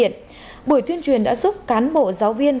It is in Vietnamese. tuyên truyền đã giúp cán bộ giáo viên